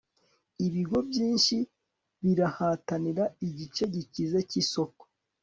ibigo byinshi birahatanira igice gikize cyisoko